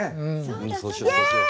そうしようそうしよう。